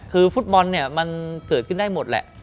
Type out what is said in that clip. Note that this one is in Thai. คือฟุตบอลเนี่ยมันเกิดขึ้นได้หมดแหละ